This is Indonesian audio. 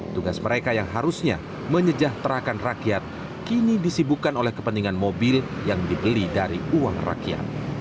tugas mereka yang harusnya menyejahterakan rakyat kini disibukan oleh kepentingan mobil yang dibeli dari uang rakyat